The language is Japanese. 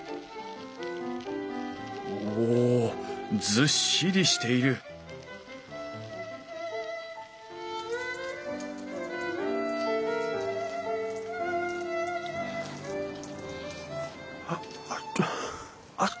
ずっしりしているあ熱っ。